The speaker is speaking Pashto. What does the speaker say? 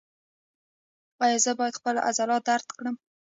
ایا زه باید خپل عضلات درد کړم؟